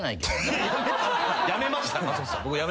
僕やめました。